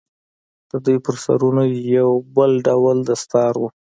د دوى پر سرونو يو بل ډول دستار و.